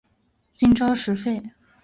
金朝时废。